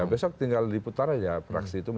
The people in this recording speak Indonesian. besok tinggal diputar aja praksi itu